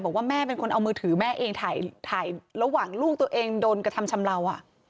บอกว่าแม่เป็นคนเอามือถือแม่เองถ่ายระหว่างลูกตัวเองโดนกระทำชำเลา